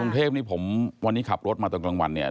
กรุงเทพนี่ผมวันนี้ขับรถมาตอนกลางวันเนี่ย